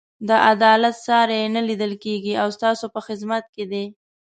د عدالت ساری یې نه لیدل کېږي او ستاسو په خدمت کې دی.